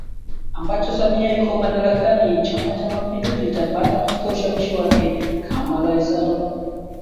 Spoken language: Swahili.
ambacho Samia yuko madarakani Chama cha mapinduzi itapanda katika ushawishi wake Kama ambavyo Rais